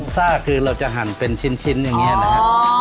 ซ่าคือเราจะหั่นเป็นชิ้นอย่างนี้นะครับ